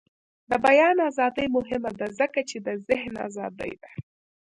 د بیان ازادي مهمه ده ځکه چې د ذهن ازادي ده.